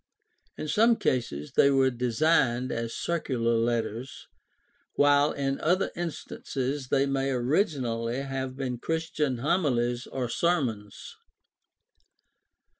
In some cases they were designed as circular letters, while in other instances they may originally have been Christian homilies or sermons.